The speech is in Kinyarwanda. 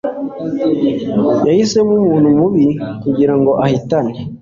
Yahisemo umuntu mubi kugirango ahitane.